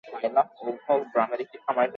এই বৈঠকের সময় তারা ফেডারেল রিজার্ভ তৈরি করে।